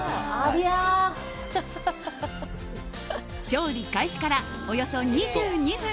調理開始から、およそ２２分。